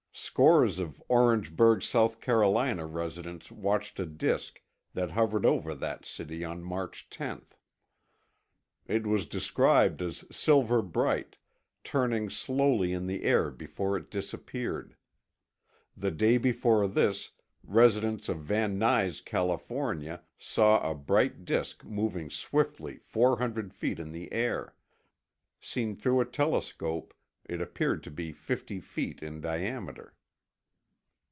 Scores of Orangeburg, South Carolina, residents watched a disk that hovered over that city on March 10. It was described as silver bright, turning slowly in the air before it disappeared. The day before this, residents of Van Nuys, California, saw a bright disk moving swiftly four hundred feet in the air. Seen through a telescope, it appeared to be fifty feet in diameter.